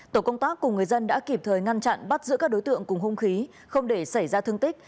tổ công tác cùng người dân đã kịp thời ngăn chặn bắt giữ các đối tượng cùng hung khí không để xảy ra thương tích